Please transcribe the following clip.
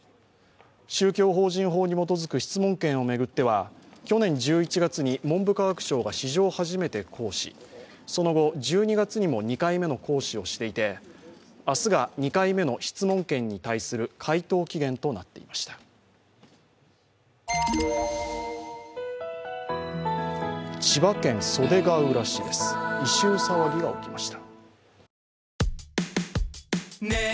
宗教法人法に基づく質問権を巡っては去年１１月に文部科学省が史上初めて行使その後、１２月にも２回目の行使をしていて明日が２回目の質問権に対する回答期限になっていました。